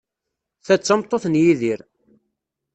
Ta d tameṭṭut n Yidir.